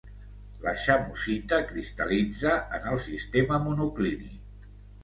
La chamosita cristal·litza en el sistema monoclínic.